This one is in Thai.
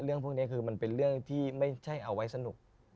เรื่องพวกนี้คือมันเป็นเรื่องที่ไม่ใช่เอาไว้สนุก